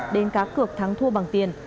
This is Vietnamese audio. đến các cược thắng thua bằng tiền